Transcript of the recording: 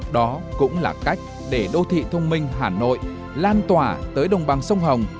đó cũng là cách để đô thị thông minh hà nội lan tỏa tới đông bang sông hồng